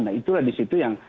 nah itulah disitu yang